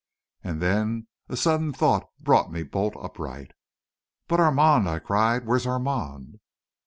And then a sudden thought brought me bolt upright. "But Armand!" I cried. "Where is Armand?"